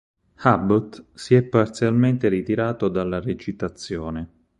Abbott si è parzialmente ritirato dalla recitazione.